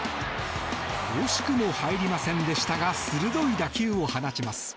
惜しくも入りませんでしたが鋭い打球を放ちます。